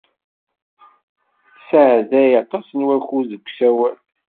Nesɛedday aṭas n wakud deg usawal.